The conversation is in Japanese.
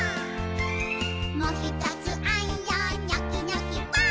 「もひとつあんよニョキニョキばぁ！」